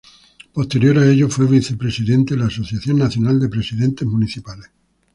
Posterior a ello fue Vicepresidente de la Asociación Nacional de Presidentes Municipales.